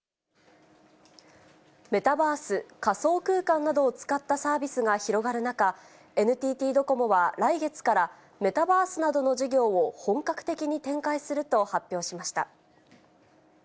メタバース・仮想空間などを使ったサービスが広がる中、ＮＴＴドコモは来月から、メタバースなどの事業を本格的に展開すると発表しました。